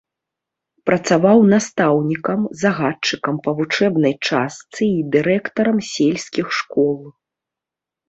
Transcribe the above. Працаваў настаўнікам, загадчыкам па вучэбнай частцы і дырэктарам сельскіх школ.